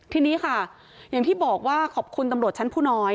ทีนี้ค่ะอย่างที่บอกว่าขอบคุณตำรวจชั้นผู้น้อย